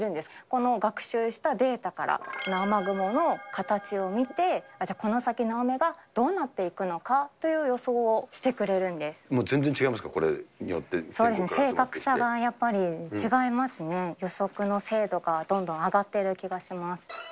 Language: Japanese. この学習したデータから、雨雲の形を見て、じゃあこの先の雨がどうなっていくのかという予想をしてくれるん全然違いますか、これによっ正確さがやっぱり違いますね、予測の精度がどんどん上がっている気がします。